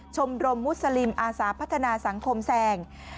ชมรมมุสลิมอาสาพัฒนาสังคมแซง